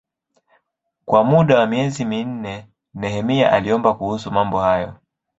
Kwa muda wa miezi minne Nehemia aliomba kuhusu mambo hayo.